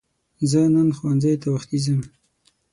زه نن ښوونځی ته وختی ځم